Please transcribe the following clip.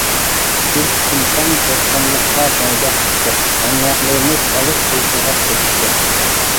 بىز قۇمساڭ بوستانلىققا بارگاھ تىكتۇق، ھەمراھلىرىمىز غەرق ئۇيقۇغا كېتىشتى.